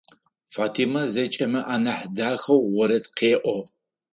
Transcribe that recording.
Фатима зэкӏэмэ анахь дахэу орэд къеӏо.